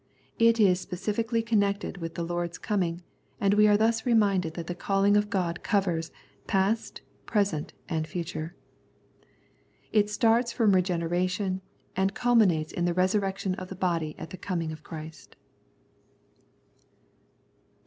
It is specifically connected with the Lord's Coming, and we are thus reminded that the calling of God covers past, present, and future. It starts from regeneration and culminates in the resurrection of the body at the Coming of Christ.